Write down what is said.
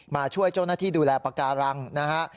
มาช่วยเจ้าหน้าที่ดูแลปากการังนะฮะ